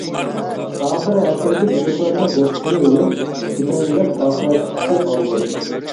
ئاخىر ھەزرىتى بۈزرۈكۋارنىڭ جەسىتىنى يۇيۇپ، كېپەنلەپ ئاخىرەتلىككە ئالدى.